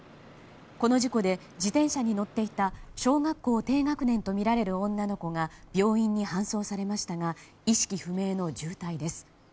この事故で自転車に乗っていた小学校低学年とみられる女の子が病院に搬送されましたが意識不明の重体です。